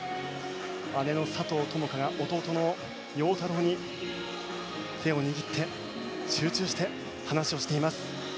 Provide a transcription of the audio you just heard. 姉の佐藤友花が弟の陽太郎に手を握って集中して話をしています。